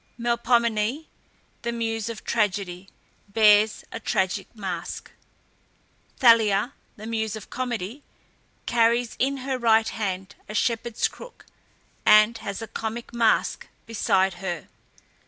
MELPOMENE, the muse of Tragedy, bears a tragic mask. THALIA, the muse of Comedy, carries in her right hand a shepherd's crook, and has a comic mask beside her.